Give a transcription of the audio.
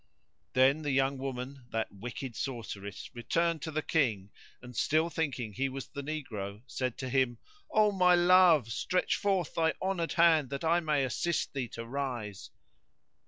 Then the young woman, that wicked sorceress, returned to the King and (still thinking he was the negro) said to him, O my love! stretch forth thy honoured hand that I may assist thee to rise."